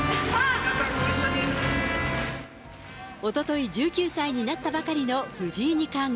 おととい１９歳になったばかりの藤井二冠。